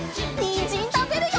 にんじんたべるよ！